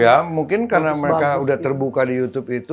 ya mungkin karena mereka sudah terbuka di youtube itu